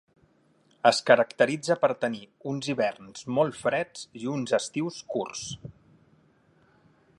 Es caracteritza per tenir uns hiverns molt freds i uns estius curts.